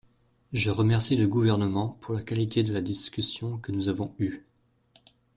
Je remercie le Gouvernement pour la qualité de la discussion que nous avons eue.